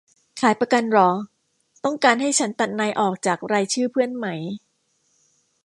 ขายประกันหรอ ต้องการให้ฉันตัดนายออกจากรายชื่อเพื่อนไหม